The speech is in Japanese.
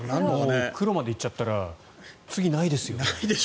もう黒までいっちゃったら次はないですね。